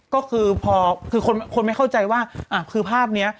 ก็คือพอคือคนไม่เข้าใจว่าคือภาพนี้